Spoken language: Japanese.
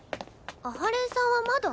阿波連さんはまだ？